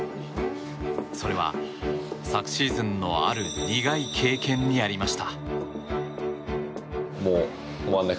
それは、昨シーズンのある苦い経験にありました。